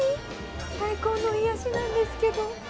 最高の癒やしなんですけど。